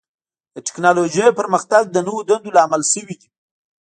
د ټکنالوجۍ پرمختګ د نوو دندو لامل شوی دی.